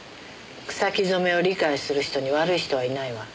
草木染めを理解する人に悪い人はいないわ。